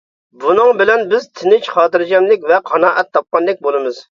بۇنىڭ بىلەن بىز تىنچ-خاتىرجەملىك ۋە قانائەت تاپقاندەك بولىمىز.